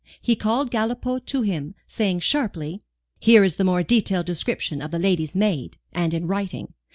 He called Galipaud to him, saying sharply: "Here is the more detailed description of the lady's maid, and in writing.